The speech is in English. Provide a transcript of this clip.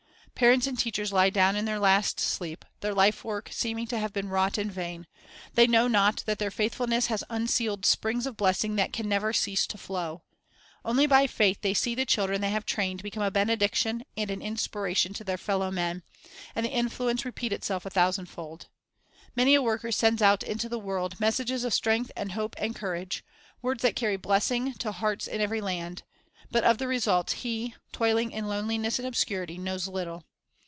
Parents and teachers lie down in their last sleep, their life work seeming to have been wrought in vain; they know not that their faithfulness has unsealed springs of blessing that can never cease to. flow; only by faith they see the children they have trained become a benediction and an inspiration to their fellow men, and the influence repeat itself a thousandfold. Many a worker sends out into the world messages of strength and hope and cour age, words that carry blessing to hearts in every land; but of the results he, toiling in loneliness and obscurity, knows little.